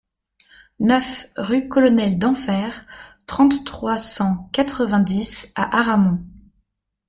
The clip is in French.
neuf rue Colonel Denfert, trente, trois cent quatre-vingt-dix à Aramon